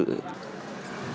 chuyển án thành công